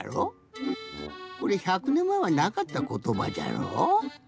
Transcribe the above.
これ１００ねんまえはなかったことばじゃろ。